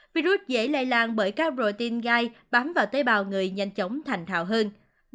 virus dễ lây lan bởi các protein gai bám vào tế bào người nhanh chóng thành thạo hơn